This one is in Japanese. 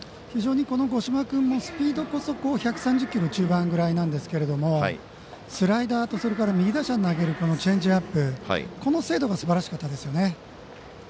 非常に五島君もスピードこそ１３０キロ中盤くらいですがスライダーと右打者に投げるチェンジアップこの精度がすばらしかったですね。